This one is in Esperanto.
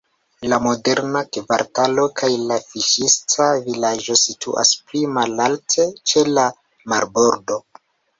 La moderna kvartalo kaj la fiŝista vilaĝo situas pli malalte, ĉe la marbordo.